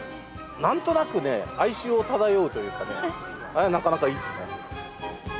何となくね哀愁を漂うというかねあれなかなかいいですね。